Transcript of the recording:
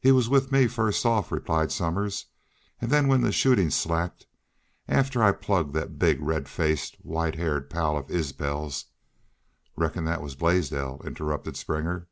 "He was with me fust off," replied Somers. "An' then when the shootin' slacked after I'd plugged thet big, red faced, white haired pal of Isbel's " "Reckon thet was Blaisdell," interrupted Springer.